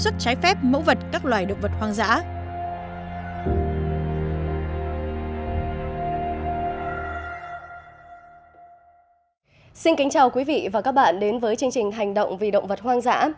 chào quý vị và các bạn đến với chương trình hành động vì động vật hoang dã